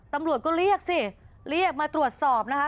ตำรวจก็เรียกสิเรียกมาตรวจสอบนะคะ